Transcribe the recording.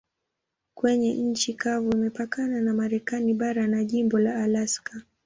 Kwenye nchi kavu imepakana na Marekani bara na jimbo la Alaska.